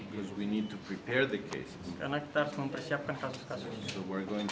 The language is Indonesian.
karena kita harus mempersiapkan kasus kasus